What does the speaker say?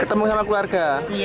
ketemu sama keluarga